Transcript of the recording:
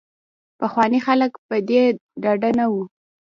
پخواني خلک په دې ډاډه نه وو.